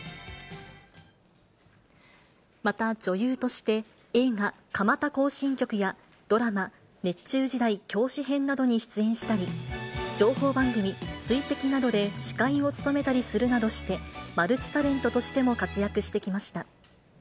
また女優として、映画、蒲田行進曲やドラマ、熱中時代教師編などに出演したり、情報番組、追跡などで、司会を務めたりするなどして、マルチタレントとしても活躍してきました。